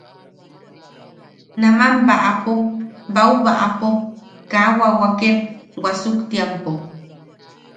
Naman baʼapo baubaʼapo kaa wawaken wasuktiampo;.